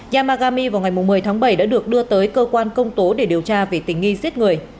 yamagami vào ngày một mươi tháng bảy đã được đưa tới cơ quan công tố để điều tra về tình nghi giết người